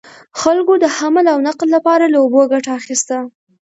خلکو د حمل او نقل لپاره له اوبو ګټه اخیسته.